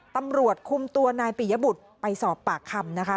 ตำรวจคุมตัวนายปิยบุตรไปสอบปากคำนะคะ